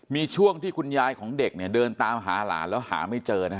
มีช่วงที่คุณยายของเด็กเนี่ยเดินตามหาหลานแล้วหาไม่เจอนะฮะ